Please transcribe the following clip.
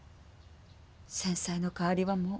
先妻の代わりはもう。